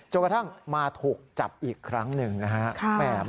กระทั่งมาถูกจับอีกครั้งหนึ่งนะครับ